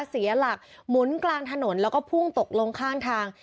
เสียหลักหมุนกลางถนนแล้วก็พุ่งตกลงข้างทาง